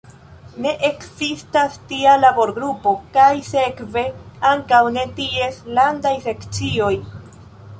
Ne ekzistas tia laborgrupo kaj sekve ankaŭ ne ties landaj sekcioj.